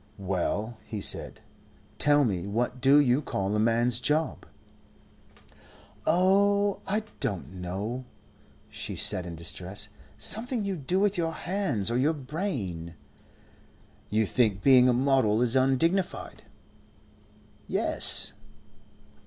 "Well," he said. "Tell me, what do you call a man's job?" "Oh, I don't know," she said in distress; "something you do with your hands or your brain." "You think being a model is undignified." "Yes."